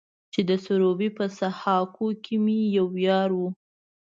چې د سروبي په سهاکو کې مې يو يار و.